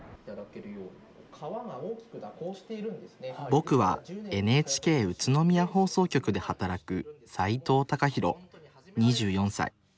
ぼくはＮＨＫ宇都宮放送局で働く齋藤貴浩２４歳。